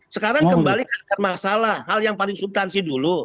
sekarang kembali ke masalah hal yang paling subtansi dulu